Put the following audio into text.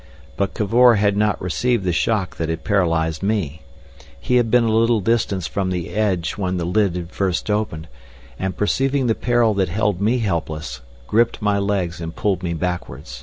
But Cavor had not received the shock that had paralysed me. He had been a little distance from the edge when the lid had first opened, and perceiving the peril that held me helpless, gripped my legs and pulled me backward.